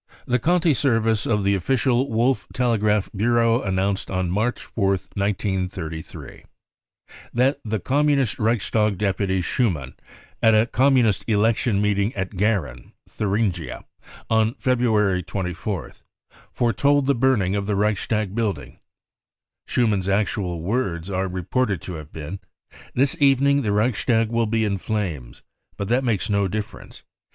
The Conti Senpce of the official Wolff Telegraph Bureau announced on March 4th, 1933 : r THE REAL INCENDIARIES 10,5 I 46 that the Communist Reichstag deputy Schumann, at a Communist election meeting at Gehren (Thur ingia) on February 24th, foretold the burning of the Reichstag building. Schumann's actual words are I* reported to have been : 44 This evening the Reichstag will be in flames. But that makes no difference.